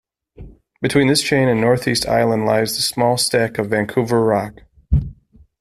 Between this chain and North East island lies the small stack of Vancouver Rock.